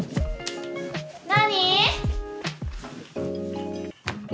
何？